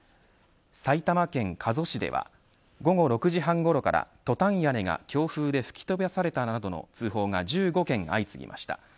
埼玉県加須市では午後６時半ごろからトタン屋根が強風で吹き飛ばされたなどの通報が１５件相次ぎました。